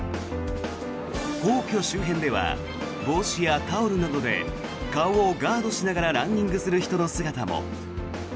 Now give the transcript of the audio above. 皇居周辺では帽子やタオルなどで顔をガードしながらランニングする人の姿も。